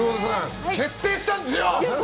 決定したんですよ！